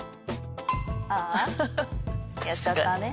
あーあやっちゃったね。